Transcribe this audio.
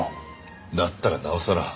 だったらなおさら。